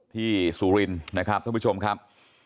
ที่สุรินนะครับทุกผู้ชมครับ